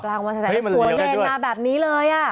กล้าวันแสดงสวนเลนมาแบบนี้เลย